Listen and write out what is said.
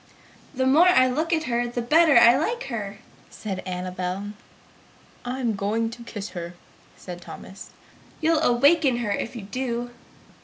"The more I look at her, the better I like her!" said Annabel. "I am going to kiss her!" said Thomas. "You'll awaken her if you do!"